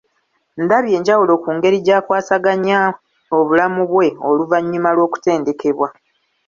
Ndabye enjawulo ku ngeri jakwasaganya obulamu bwe oluvannyuma lw'okutendekebwa ,